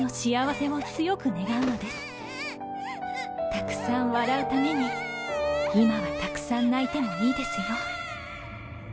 たくさん笑うために今はたくさん泣いてもいいですよ。